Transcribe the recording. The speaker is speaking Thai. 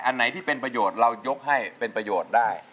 อันไหนที่เป็นประโยชน์เรายกให้เป็นประโยชน์ได้